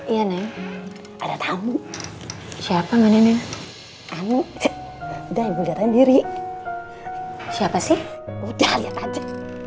iya neng ada tamu siapa menenang aneh udah yang berdiri siapa sih udah lihat aja